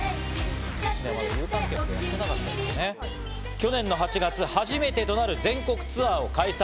去年の８月、初めてとなる全国ツアーを開催。